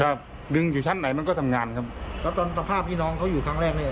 ดึงอยู่ชั้นไหนมันก็ทำงานครับแล้วตอนสภาพพี่น้องเขาอยู่ครั้งแรกเนี้ย